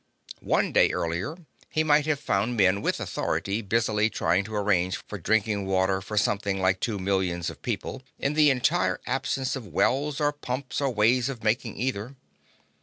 One day earlier, he might have found men with authority busily trying to arrange for drinking water for something like two millions of people, in the entire absence of wells or pumps or ways of making either.